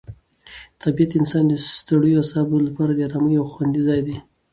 طبیعت د انسان د ستړیو اعصابو لپاره د آرامۍ یو خوندي ځای دی.